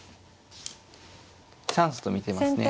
チャンスと見てますね。